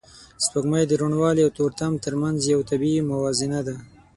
سپوږمۍ د روڼوالی او تورتم تر منځ یو طبیعي موازنه ده